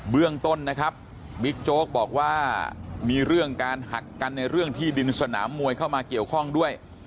เรื่องต้นนะครับบิ๊กโจ๊กบอกว่ามีเรื่องการหักกันในเรื่องที่ดินสนามมวยเข้ามาเกี่ยวข้องด้วย